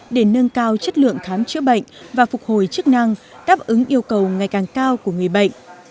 để nâng cao chất lượng khám chữa bệnh và phục hồi chức năng đáp ứng yêu cầu ngày càng cao của người bệnh